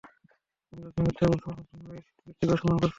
তুমি কাউকে মিথ্যা বলছ মানে তুমি ওই ব্যক্তিকে অসম্মান করছ।